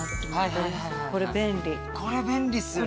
これ便利っすよね